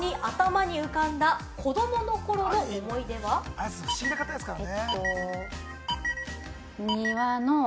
綾瀬さん、不思議な方ですからね。